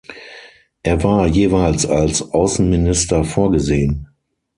Er war jeweils als Außenminister vorgesehen.